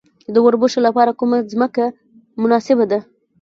د وربشو لپاره کومه ځمکه مناسبه ده؟